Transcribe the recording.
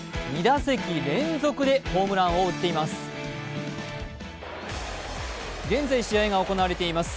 ２打席連続でホームランを打っています。